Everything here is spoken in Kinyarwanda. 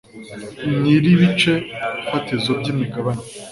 nyir ibice fatizo by imigabane